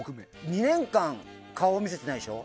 ２年間顔を見せてないでしょ。